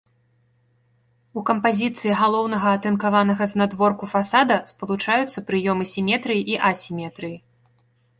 У кампазіцыі галоўнага атынкаванага знадворку фасада спалучаюцца прыёмы сіметрыі і асіметрыі.